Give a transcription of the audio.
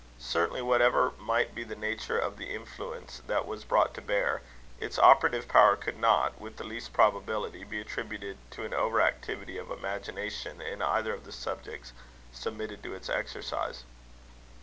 Certainly, whatever might be the nature of the influence that was brought to bear, its operative power could not, with the least probability, be attributed to an over activity of imagination in either of the subjects submitted to its exercise.